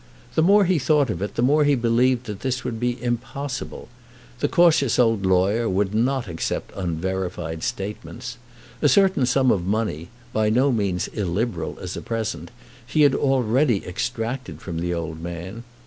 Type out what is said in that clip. The more he thought of it, the more he believed that this would be impossible. The cautious old lawyer would not accept unverified statements. A certain sum of money, by no means illiberal as a present, he had already extracted from the old man.